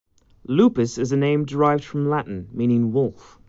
Lupus is a name derived from Latin meaning "wolf".